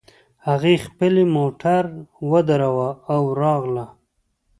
هغې خپلې موټر ودراوو او راغله